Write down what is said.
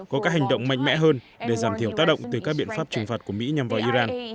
có các hành động mạnh mẽ hơn để giảm thiểu tác động từ các biện pháp trừng phạt của mỹ nhằm vào iran